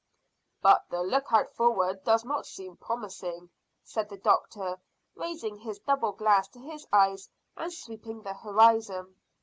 "But the lookout forward does not seem promising," said the doctor, raising his double glass to his eyes and sweeping the horizon.